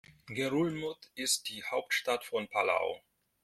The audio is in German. Ngerulmud ist die Hauptstadt von Palau.